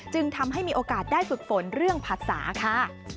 จึงทำให้มีโอกาสได้ฝึกฝนเรื่องภาษาค่ะ